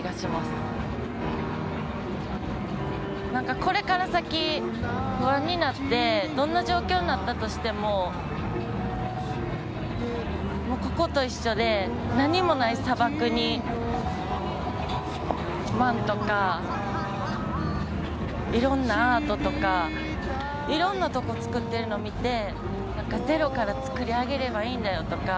これから先不安になってどんな状況になったとしてもここと一緒で何もない砂漠にマンとかいろんなアートとかいろんなとこ作ってるの見て何かゼロから作り上げればいいんだよとか